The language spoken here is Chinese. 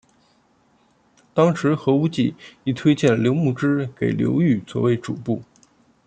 当时何无忌亦推荐了刘穆之给刘裕作为主簿。